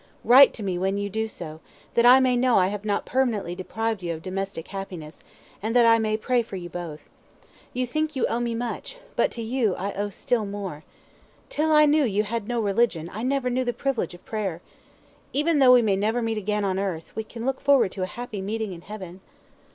Write to me when you do so, that I may know I have not permanently deprived you of domestic happiness, and that I may pray for you both. You think you owe me much, but to you I owe still more. Till I knew you I had no religion, I never knew the privilege of prayer. Even though we may never meet again on earth, we can look forward to a happy meeting in heaven."